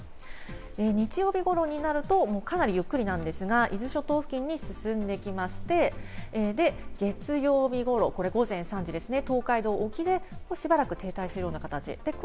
日曜日頃になると、かなりゆっくりなんですが、伊豆諸島付近に進んできまして、月曜日頃、午前３時ですね、東海道沖でしばらく停滞する感じ。